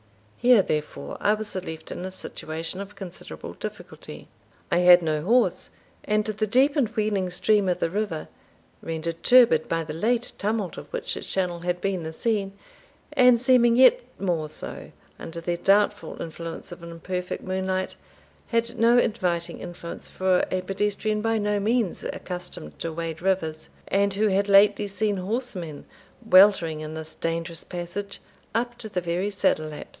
Here, therefore, I was left in a situation of considerable difficulty. I had no horse, and the deep and wheeling stream of the river, rendered turbid by the late tumult of which its channel had been the scene, and seeming yet more so under the doubtful influence of an imperfect moonlight, had no inviting influence for a pedestrian by no means accustomed to wade rivers, and who had lately seen horsemen weltering, in this dangerous passage, up to the very saddle laps.